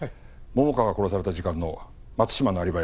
桃花が殺された時間の松島のアリバイは？